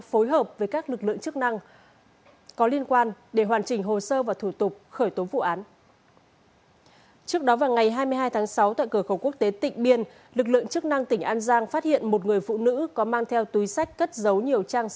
xin chào quý vị và các bạn